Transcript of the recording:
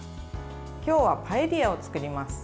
今日はパエリアを作ります。